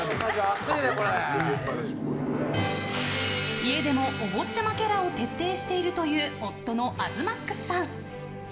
家でもお坊ちゃまキャラを徹底しているという夫の東ＭＡＸさん。